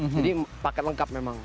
jadi paket lengkap memang